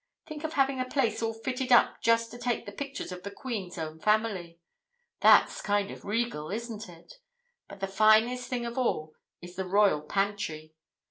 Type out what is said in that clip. Think of having a place all fitted up just to take the pictures of the Queen's own family! That's kind of regal, isn't it? But the finest thing of all is the Royal Pantry.